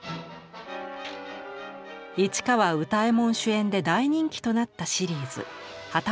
市川右太衛門主演で大人気となったシリーズ「旗本退屈男」。